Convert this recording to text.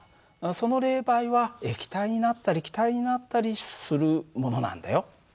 その冷媒は液体になったり気体になったりするものなんだよ。